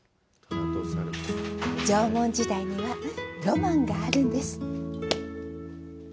縄文時代には、ロマンがあるんです！